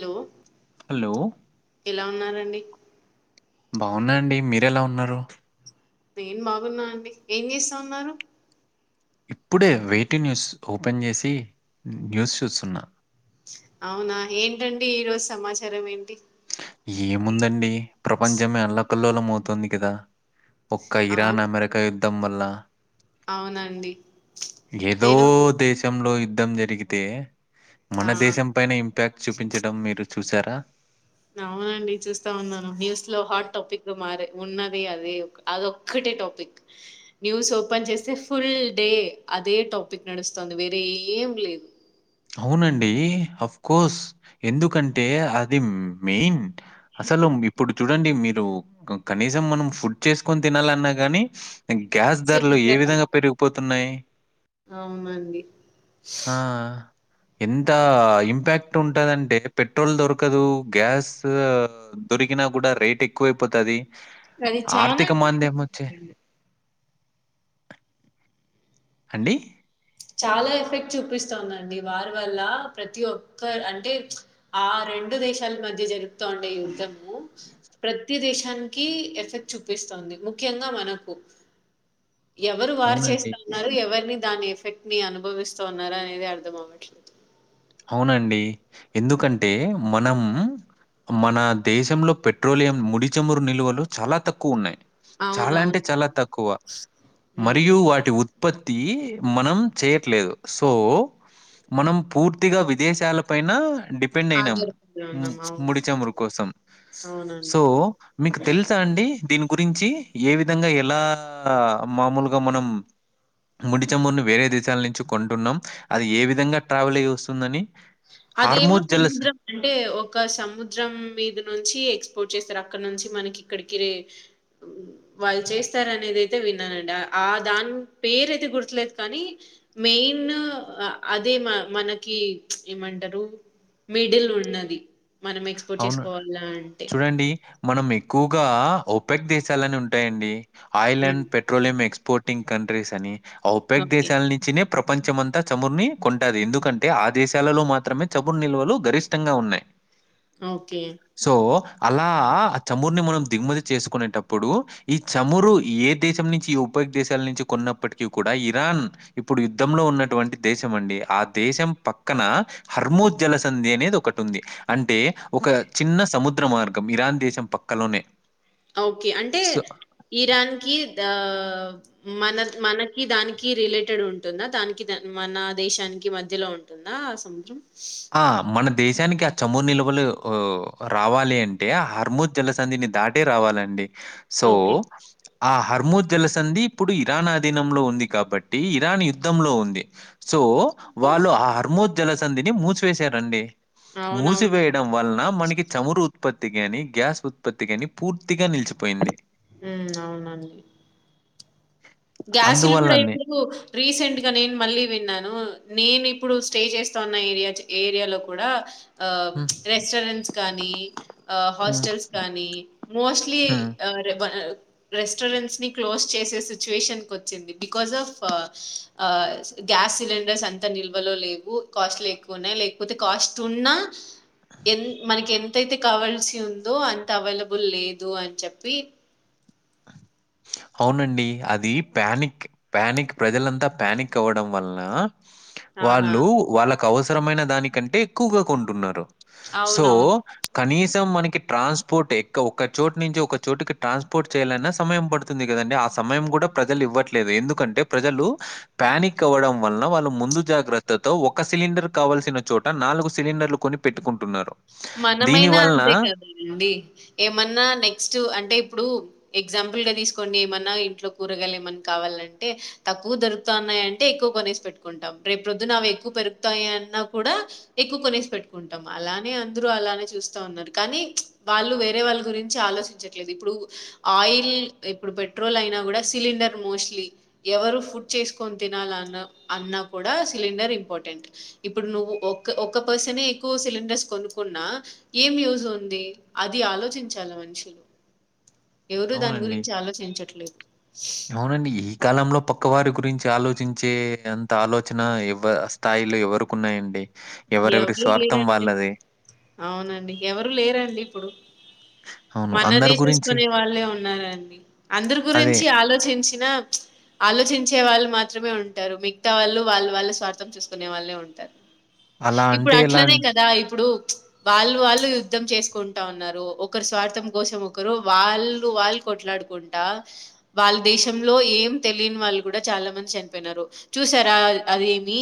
Hello hello ఎలా ఉన్నారండి బాగున్నా అండి మీరెలా ఉన్నారు నేను బాగున్నా అండి ఏం జేస్తా ఉన్నారు ఇప్పుడే వేయిటింగ్ న్యూస్ ఓపెన్ చేసి న్యూస్ చూస్తున్నా అవునా ఏంటండి ఈ రోజు సమాచారం ఏం ఏముందండి ప్రపంచమే అల్ల కల్లోలం అవుతోంది కదా ఒక్క అవు ఇరాన్ అమెరికా యు ద్దం వల్ల అవునండి ఏదో నేను దేశంలో యు యుద్ధం జరిగితే మన ఆ దేశం పైన ఇంపాక్ట్ చూపించడం మీరు చూసారా అవునండి చూస్తా ఉన్నాను న్యూస్ లో హాట్ టాపిక్ గా మారాయ్ ఉన్నది అదే అద ఒక్కటే టాపిక్ న్యూస్ ఓపెన్ చేస్తే ఫుల్ డే అదే టాపిక్ నడుస్తుంది వేరే ఏం లేదు అవునండి అఫ్ కోర్స్ ఎందుకంటే అది మెయిన్ అసలు ఇప్పుడు చూడండి మీరు కనీసం మనం ఫుడ్ చేసుకొని తినాలన్నా గానీ గ్యాస్ ధరలు ఏ సిలిండర్ విధంగా పెరిగిపోతున్నాయి అవునండి ఆ! ఎంత ఇంపాక్ట్ ఉంటందంటే పెట్రోల్ దొరకదు గ్యాస్ దొరికినా కూడా రేట్ ఎక్కువైపోతుది అది చాలా ఆర్థిక మాధ్యం వచ్చే అండి చాలా ఎఫెక్ట్ చూపిస్తోందండి వార్ వల్ల ప్రతి ఒక్కరు అంటే ఆ రెండు దేశాల మధ్య జరుగుతుండే యుద్ధము ప్రతి దేశానికి ఎఫెక్ట్ చూపిస్తుంది ముఖ్యంగా మనకు ఎవరు వార్ అవునండి. చేస్తున్నారు ఎవరిని దాని ఎఫెక్ట్ మీ అనుభవిస్తా ఉన్నారా అనేది అర్థం అవ్వట్లేదు అవునండి ఎందుకంటే మనం మన దేశంలో పెట్రోలియం ముడిచమురు నిల్వలు చాలా తక్కువ ఉన్నాయి చాలా అంటే అవునవును చాలా తక్కువ ఉమ్ మరియు వాటి వుత్ ఉత్పత్తి మనం చేయట్లేదు సో మనం పూర్తి ర్తిగా విదేశాల పైన టి డిపెండ్ అయినాం ఆధారపడి ము ఉన్నాం అవును ముడిచమురి కోసం సో అవునండి మీకు తెలుసా అండి దీనికి గురించి ఏ విధంగా ఎలా మామూలుగా మనం ముడిచమురుని వేరే దేశాల నుంచి కొంటున్నాం అది ఏ విధంగా ట్రావెల్ అయి వస్ తుందని అదేమో సముద్రం అంటే ఒక సముద్రం మీద నుంచి ఎక్స్పోర్ట్ చేస్తారు అక్కడ నుంచి మనకి ఇక్కడికిర వాళ్ళు చేస్తార అనేది అయితే విన్నానండి ఆ దాని పేరు అయితే గుర్తులేదు కానీ మెయిన్ అదే మ మనకి ఏమంటారు మిడిల్ ఉన్నది మనం ఎక్స్పోర్ట్ అవును. చేసుకోవాల అంటే చూడండి మనం ఎక్కువగా ఓపెక్ దేశాలని ఉంటాయండి ఉమ్, Ireland petroleum exporting countries అని ఓ పేగ్ ఓకే దేశాల నుంచినే ప్రపంచమంతా చమురుని కొంటాది ఎందుకంటే ఆ దేశాలలో మాత్రమే చమురు నిల్వలు గరిష్టంగా ఉన్నాయి ఓకే సో, అలా ఆ చమురుని మనం దిగుమతి చేసుకునేటప్పుడు ఈ చమురు ఏ దేశం నుంచి ఈ ఉపయ దేశాల నుంచి కొన్నప్పటికీ కూడా ఇరాన్ ఇప్పుడు యుద్ధంలో ఉన్నటువంటి దేశం అండి ఆ దేశం పక్కన హర్మో జలసంధి అనేది ఒకటి ఉంది అంటే ఒక చిన్న సముద్ర మార్గం ఇరాన్ దేశం పక్కలోనే ఓకే అంటే సో ఇరాన్ కి ద [unintelligible] మన మనకి దాని కి రిలేటెడ్ ఉంటుందా దానికి మన దేశానికి మధ్యలో ఉంటుందా ఆ సముద్రం ఆ మన దేశానికి ఆ చమురు నిల్వలు రావాలి అంటే ఆ హర్మూజ్ జలసంధిని దాటే రావాలండి సో ఓకే. ఆ హర్మోజ్ జలసంధి ఇప్పుడు ఇరాన్ ఆధీనంలో ఉంది కాబట్టి ఇరాన్ యుద్ధంలో ఉంది సో వాళ్ళు హర్మో జలసంధిని మూస్ సి వేసారండి అవునవును. మూసివేయడం వలన మనకి చమురు ఉత్పత్తిగాని గ్యాస్ ఉత్పత్తిగాని పూర్ తిగా నిలిచిపోయింది హ్మ్. అవునండి. గ్యాసులు కూడా అందువల్లనే ఇప్పుడు రీసెంట్ గా నేను మళ్ళీ విన్నా ను నేను ఇప్పుడు స్టే చేస్తా ఉన్న ఏరియా ఏరియాలో కూడా ఆ హ్మ్. రెస్టారెంట్స్ కానీ హ్మ్. హాస్టల్స్ కానీ మోస్ట్లీ హ్మ్. ఆరెబ రెస్టారెంట్స్ ని క్లోజ్ చేసేసి చువేషన్ వచ్చింది బికాస్ ఆఫ్ ఆ గ్యాస్ సిలిండర్స్ అంత నిల్వలో లేవు కాస్ట్లు ఎక్కువన్నాయి లేకపోతే కాస్ట్ ఉన్నా ఎన్ మనకి ఎంతయితే కావాల్సి ఉందో అంత అవైలబుల్ లేదు అని చెప్పి అవునండి అది ప్యానిక్ ప్యానిక్ ప్రజలంతా ప్యానిక్ అవ్వడం వలన ఆహా! వాళ్ళు వాళ్ళ క అవసరమైన దానికంటే ఎక్కువగా కొంటున్నారు సో అవునవును. కనీసం మనకి ట్రాన్స్పోర్ట్ ఎక ఒక్క చోటు నుంచి ఒక చోటుకి ట్రాన్స్పోర్ట్ చేయాలన్నా సమయం పడుతుంది కదండి ఆ సమయం కూడా ప్రజలు ఇవ్వట్లేదు ఎందుకంటే ప్రజలు ప్యానిక్ అవ్వడం వలన వాళ్ళు ముందు జాగ్రత్తతో ఒక సిలిండర్ కావాల్సిన చోట నాలుగు సిలిండర్లు కొని పెట్టుకుంటున్నారు దీని మనమైనా వలన అంతే కదండి ఏమన్నా నెక్స్ట్ అంటే ఇప్పుడు ఎగ్జాంపుల్ గా తీసుకోండి మన ఇంట్లో కూరగాయలు ఏమన్నా కావాలంటే తక్కువ దొరుకుతా ఉన్నాయంటే ఎక్కువ కొనేసి పెట్టుకుంటాం రేపు ప్రొద్దున అవి ఎక్కువ పెరుగుతాయన్నా కూడా ఎక్కువ కొనేసి పెట్టుకుంటాం అలానే దురూ అలానే చూస్తా ఉన్నారు కానీ వాళ్ళు వేరే వాళ్ళ గురించి ఆలోచించట్లేదు ఇప్పుడు ఆయిల్ ఇప్పుడు పెట్రోల్ అయినా కూడా సిలిండర్ మోస్ట్లీ ఎవరు ఫుడ్ చేసుకొని తినాలన్నా అన్నా కూడా సిలిండర్ ఇంపార్టెంట్ ఇప్పుడు నువ్వు ఒక ఒక్క పర్సనే ఎక్కువ సిలిండర్స్ కొను కున్నా ఏం యూస్ ఉంది అది ఆలోచించాల మనుషులు ఎవరూ దాని అవునండి. గురించి ఆలోచించట్లేదు అవునండి ఈ కాలంలో పక్కవారి గురించి ఆలోచించే అంత ఆలోచన ఎవ్ ఆ స్థాయిలో ఎవరికున్నాయండి ఎవరెవరి ఎవరూ స్వార్థం లేరండి వాళ్ళది. అవునండి ఎవరూ లేరండి ఇప్పుడు అవును. మన్నదే అందరి గురించి చూసుకునే వాళ్ళే ఉన్నారండి అందరి అదే. గురించి ఆలోచించినా ఆలోచించే వాళ్ళు మాత్రమే ఉంటారు మిగతా వాళ్ళు వాళ్ళు వాళ్ళ స్వార్థం చూసుకునే వాళ్ళే ఉంటారు అలా ఇప్పుడు అంటే ఎలా అట్లనే అన్ కదా ఇప్పుడు వాళ్ళు వాళ్ళు యుద్ధం చేసుకుంటా ఉన్నారు ఒకరు స్వార్థం కోసం ఒకరు వాళ్ళు వాళ్ళు కొట్లాడుకుంటా వాళ్ళ దేశంలో ఏం తెలియని వాళ్ళు కూడా చాలా మంది చనిపోయినారు చూసారా అదేమి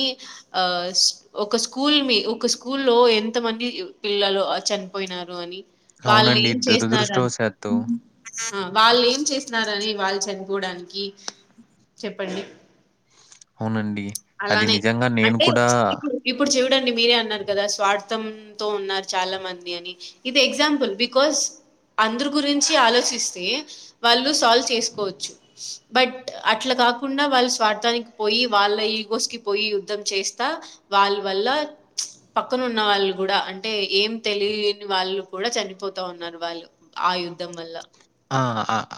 ఆ ఒక స్కూల్ మీ ఒక స్కూల్ లో ఎంత మంది పిల్లలు చనిపోయినారు అని వాళ్ళు అవునండి. ఏం చేసినారని దురదృష్టవశాత్తు వాళ్ళు ఏం చేసినారని వాళ్ళు చనిపో కూడానికి చెప్పండి అవునండి అది అలానే నిజంగా నేను అంటే కూడా ఇప్పుడు ఇప్పుడు చూడండి మీరే అన్నారు కదా స్వార్థంతో ఉన్నారు చాలా మంది అని ఇది ఎగ్జాంపుల్ బికాస్ అందరు గురించి ఆలోచిస్తే వాళ్ళు సాల్వ్ చేసుకోవచ్చు బట్ అట్లా కాకుండా వాళ్ళ స్వార్థానికి పోయి వాళ్ళ ఈగోస్ కి పోయి యుద్ధం చేస్తా వాళ్ళు వల్ల పక్కన ఉన్న వాళ్ళు కూడా అంటే ఏం తెలియని వాళ్ళు కూడా చనిపోతా ఉన్నారు వాళ్ళు ఆ యుద్ధం వల్ల ఆ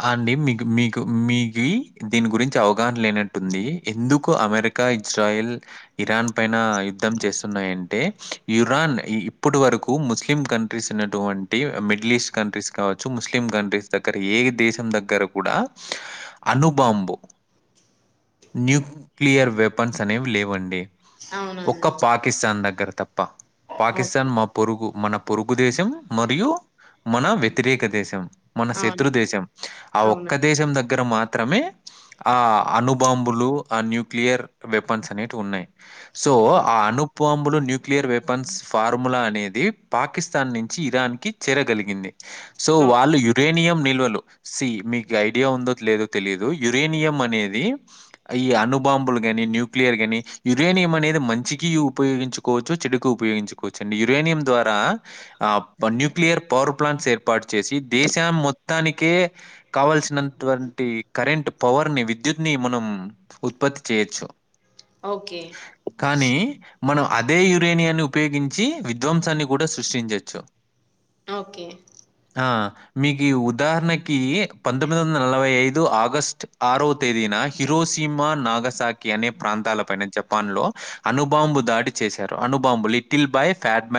అండి మీకు మీకు మీకు దీని గురించి అవగాహన లేనట్టుంది ఎందుకు అమెరికా ఇజ్రాయిెల్ ఇరాన్ పైన యుద్ధం చేస్తున్నాయంటే ఇరాన్ ఇప్పుడు వరకు ముస్లిం కంట్రీస్ ఉన్నటువంటి మిడిల్ ఈస్ట్ కంట్రీస్ కావచ్చు ముస్లిం కంట్రీస్ దగ్గర ఏ దేశం దగ్గర కూడా అనుబాంబు న్యూక్లియర్ వెపన్స్ అనేవి లేవండి ఒక్క అవునండి పాకిస్తాన్ దగ్గర కర్తం ఓకే పాకిస్తాన్ మా పొరుగు మన పొరుగు దేశం మరియు మన వ్యతిరేక దేశం మన అవును శత్రు దేశం ఆ ఒక్క అవునండి దేశం దగ్గర మాత్ర మాత్రమే ఆ అనుబాంబులు ఆ న్యూక్లియర్ వెపన్స్ అనేటివి ఉన్నాయి సో ఆ అను అనుబంబులు న్యూక్లియర్ వెపన్స్ ఫార్ములా అనేది పాకిస్తాన్ నుంచి ఇరాన్కి చేరగలిగింది సో ఓ వాళ్ళు యు యురేనియం నిల్వలు సి మీకు ఐడియా ఉందో లేదో తెలిదు యురేనియం అనేది ఈ అనుబాంబులు గానీ న్యూక్లియర్ గానీ యురేనియం అనేది మంచికి ఉపయోగించుకోవచ్చు చెడుకు ఉపయోగించుకోవచ్చు అండి యురేనియం ద్వారా ఆ న్యూక్లియర్ పవర్ ప్లాంట్స్ ఏర్పాటు చేసి దేశాం మొత్తానినికె కావల్సినటువంటి కరెంటు పవర్ ని విద్యుత్ ని మనం ఉత్పత్తి చేయొచ్చు ఓకే కానీ మనం అదే యురేనియాన్ ఉపయోగించి విధ్వంసాన్ని కూడ సృష్టించచ్చు ఓకే ఆ మీకి ఉదాహరణకీ పంతొమ్మిది వంద నలవై ఐదు దు ఆగస్ట్ ఆరో తేదీన హిరోసిమ నాగసాకి అనే ప్రాంతాల పైన జపాన్ లొ అనుబాంబు దాడి చేశారు అనుబాంబు లిటిల్ బాయ్ క్యాట్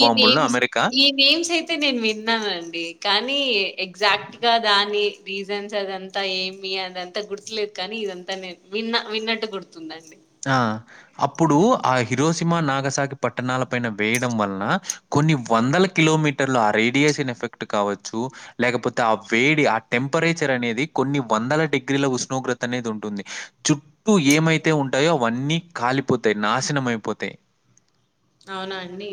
ఈ నేమ్స్ ఈ నేమ్స్ అయితె నేన్ విన్నానండి కాన్ నీ ఎగ్జాక్ట్ గా దాన్ కానీ రీజన్స్ అదంత ఏమి అదంత గుర్తులేద్ కానీ ఇదంతా నేన్ విన్న విన్నట్టు గుర్తుందండి ఆ అప్పుడూ ఆ హిరోసిమ నాగసాకి పట్టణాల పైన వేయ్డం వల్న కొన్ని వందల కిలోమీటర్లు ఆ రేడియేషన్ ఎఫెక్ట్ కావచ్చు లేకపోతే ఆ వేడి ఆ టెంపరేచర్ అనేది కొన్ని వందల డిగ్రీల ఉష్ణోగ్రత అనేది ఉంటుంది చుట్టూ ఏమైతె ఉంట్ ఉంటాయో అవన్నీ కాలిపొతయ్ నాశనమైపొ తయ్ అవునా అండి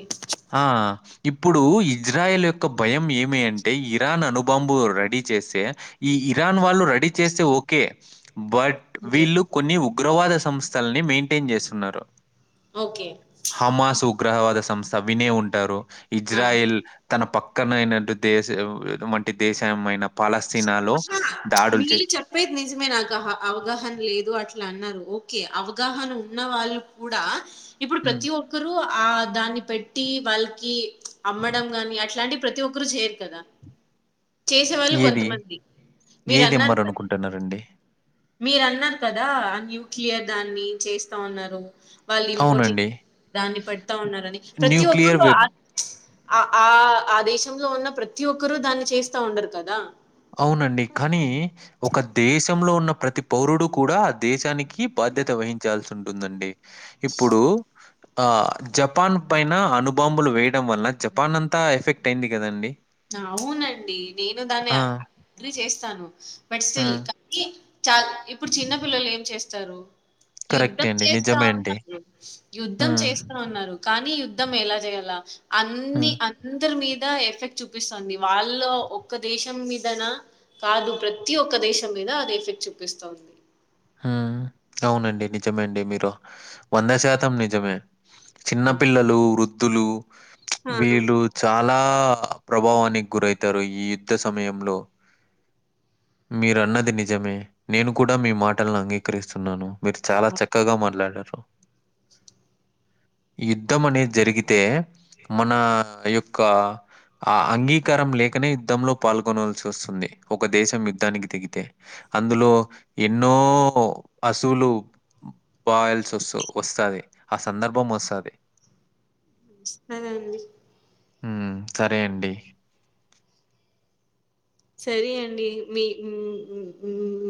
ఇప్పుడూ ఇజ్రాయల్ యొక్క భయం ఏమి అంటే ఇరాన్ అణుబాంబు రెడీ చేస్తే ఈ ఇరాన్ వాళ్ళు రెడీ చేస్తే ఓకే భట్ ఓకే వీళ్ళు కొన్ని ఉప్ ఉగ్రవాద సంస్థ సంస్థల్ని మైంటైన్ చేస్తున్నారు ఒకే హమాస్ ఉగ్రవాద సంస్థ వినే ఉంటారు ఆ ఇజ్రాయిల్ తన పక్కనయినట్టు దేశ వంటి దేశమైనా అట్ననా మీరు చెప్పేది నిజమే నాకు అవగాహన లేదు అట్లన్నారు ఓకె అవగాహన ఉన్న వాళ్ళు కూడా ఇప్పుడు హ్మ్. ప్రతి ఒక్కరూ ఆ దాన్ని పెట్టీ వాళ్ళకీ అమ్మడం గాని అట్లాంటి ప్రతి ఒక్కరు చేయరు కద ఏది ఏది అమ్మరనుకుంటున్నారండి మీరున్నరు కదా న్యూక్లియర్ దాన్నీ చేస్తా అన్నరు వాళ్ళు ఇంపోర్ట్ ఛీ అవునండి. దాన్ని పెడతా ఉన్నారని ప్రతి న్యూక్లియర్ ఒక్కరూ వెప్ ఆన్ అ ఆ ఆ దేశంలో ఉన్న ప్రతి ఒక్కరూ దాన్ని చేస్తా ఉండరు కదా అవునండి కానీ ఒక దేశంలొ ఉన్న ప్రతి పౌరుడు కూడా దేశానికి బాధ్యత వహించాల్సి ఉంటుందండి ఇప్పుడు ఆ జపాన్ పైన అణుబాంబులు వేయడం వల్ల జపాన్ అంతా ఎఫెక్ట్ అయింది కదండి అవునండి నేను నేను దాన్ని అగ్రి చేస్తాను. [unintelligible] బట్ స్టిల్ హ్మ్. కానీ చాల ఇప్పుడు చిన్న పిల్లలు ఏం చేస్తారు కరెక్టే యుద్ధం అండి. చేస్తా నిజమే అండి. ఉన్నారు యుద్ధం హ్మ్. చేస్తా ఉన్నారు కానీ. యుద్ధం ఎలా చేయలా హ్మ్. అన్నీ అందరి మీద. ఎఫెక్ట్ చూపిస్తుంది వాళ్ళ ఒక్క దేశం మీదనా కాదు ప్రతి ఒక్క దేశం మీద అది ఎఫెక్ట్ చూపిస్తోంది. హ్ అవునండి నిజమే అండి మీరు వంద శాతం నిజమే. చిన్న హ్మ్. పిల్లలు వృద్దులు వృద్దులు ఆ! వీళ్ళు చాల చాలా ప్రభావానికి గురైతారు ఈ యుద్ధ సమయంలో మీరు అన్నది నిజమే నేను కూడా మీ మాట. టలంగి అంగీకరిస్తున్నాను. మీరు చాలా చక్కగా మాట్లాడారు. యుద్ధం అనేది జరిగితే మన యొక్క అ అంగీకారం లేకనే యుద్ధంలో పాల్గొనాల్సి వస్తుంది ఒక దేశం యుద్ధానికి దిగితే అందులో. ఏ ఎన్నో అశువులు బాయిల్స్ వస్తు వస్తుది ఆ సందర్భం వస్తాది. అదండి. ఉ సరే అండి. సరే అండి మీ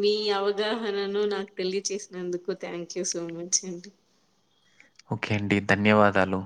మీ అవగాహనను నాకు తెలియచేసినందుకు థ్యాంక్ యూ సో మచ్ అండి. ఒకే అండి ధన్యవాదాలు.